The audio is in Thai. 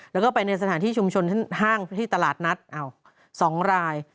แล้วก็ไปในสถานที่ชุมชนห้างที่ตลาดนัด๒ราย